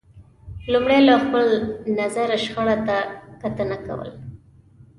لمړی له خپل نظره شخړې ته کتنه کول